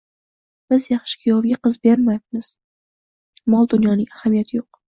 Biz yaxshi kuyovga qiz beryapmiz, mol dunyoning ahamiyati yo'q